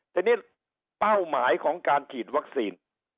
ทีนี้เป้าหมายของการฉีดวัคซีน